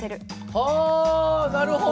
はあなるほど。